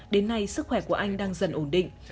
đến nay sức khỏe của anh đang dần ổn định